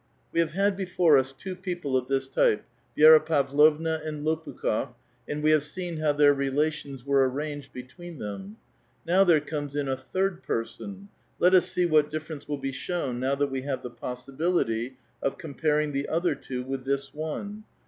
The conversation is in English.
We have had before us two people of this type, Vi^ra JPavlovna and Lopukh6f, and we have seen how their rela "tions were an'anged between them. Now there comes in a ^hird person. Let us see what difference will be shown now ^hat we have the possibility of comparing the other two with "this one.